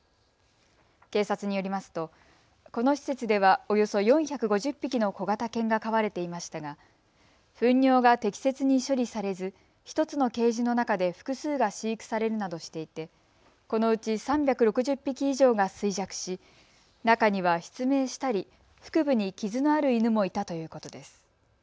警察によりますとこの施設ではおよそ４５０匹の小型犬が飼われていましたがふん尿が適切に処理されず１つのケージの中で複数が飼育されるなどしていてこのうち３６０匹以上が衰弱し中には失明したり腹部に傷のある犬もいたということです。